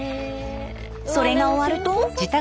それが終わると。